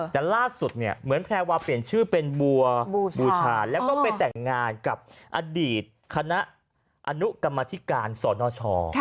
แต่ล่าสุดเนี่ยเหมือนแพรวาเปลี่ยนชื่อเป็นบัวบูชาแล้วก็ไปแต่งงานกับอดีตคณะอนุกรรมธิการสนช